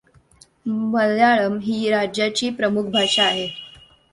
मल्याळम ही राज्याची प्रमुख भाषा आहे.